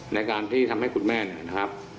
ในการที่ทำให้คุณแม่เนี่ยนะครับ